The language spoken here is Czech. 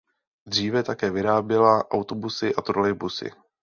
Dříve také vyráběla autobusy a trolejbusy.